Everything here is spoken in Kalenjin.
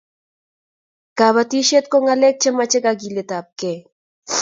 kabatishiet ko ngalek chemache kagilet ab kee